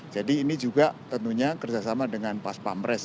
jadi ini juga tentunya kerjasama dengan pas pamres